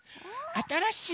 あたらしい！